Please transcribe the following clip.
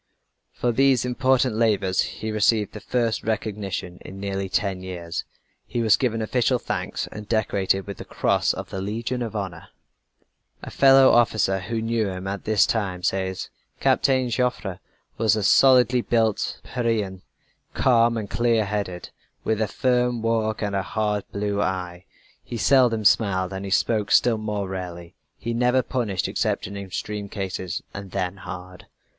For these important labors he received the first recognition in nearly ten years. He was given official thanks, and decorated with the cross of the Legion of Honor. A fellow officer who knew him at this time says: "Captain Joffre was a solidly built Pyrenean, calm and clear headed, with a firm walk and a hard blue eye. He seldom smiled and he spoke still more rarely. He never punished except in extreme cases, and then hard.